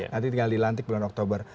nanti tinggal dilantik bulan oktober